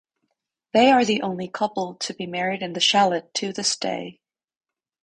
They are the only couple to be married in the chalet to this day.